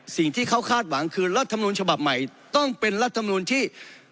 สิ่งที่เขาคาดหวังคือรัฐมนุนฉบับใหม่ต้องเป็นรัฐมนูลที่